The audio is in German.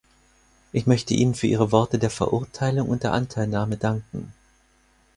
Ich möchte Ihnen für Ihre Worte der Verurteilung und der Anteilnahme danken.